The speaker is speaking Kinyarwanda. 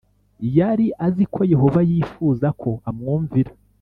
Yari azi ko Yehova yifuza ko amwumvira